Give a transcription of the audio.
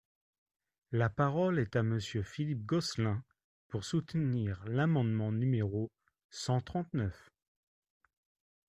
La parole est à Monsieur Philippe Gosselin, pour soutenir l’amendement numéro cent trente-neuf.